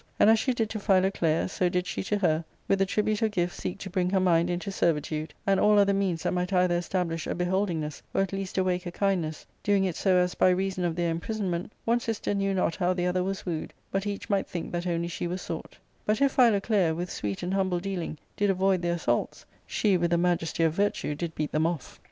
And as she did to Philoclea, so did she to her, with the tribute of gifts seek to bring her mind y 'into servitude, and all other means that might either establish *^ a beholdingness, or at least awake a kindness, doing it so as, by reason of their imprisonment, one sister knew not how the other was wooed, but each might think that only she wasi sought But if Philoclea, with sweet and humble dealings did avoid their assaults, she with the majesty of virtue did beat them off.